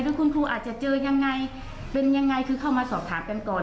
แล้วคุณครูอาจจะเจอยังไงเป็นยังไงคือเข้ามาสอบถามกันก่อน